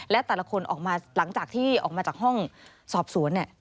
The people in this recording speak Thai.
และแต่ละคนออกมาหลังจากที่ออกมาจากห้องสอบสวนเนี่ย